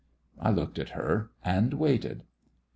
I looked at her and waited.